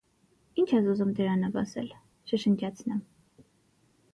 - Ի՞նչ ես ուզում դրանով ասել,- շշնջաց նա: